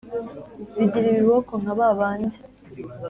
Rigira ibiboko nka ba bandi.